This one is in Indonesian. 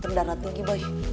tendara tinggi boy